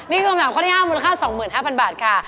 นี่คือคำถามค้าวิทยาลัยห้ามูลค่า๒๕๐๐๐บาทค่ะ